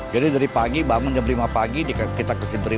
jadi dari pagi bangun jam lima pagi kita beri makan